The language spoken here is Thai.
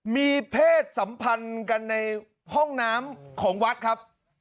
มีเพศสัมพันธ์กันในห้องน้ำของวัดครับ